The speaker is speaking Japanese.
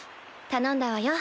頼んだわよ